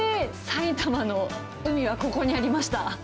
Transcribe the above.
埼玉の海は、ここにありました。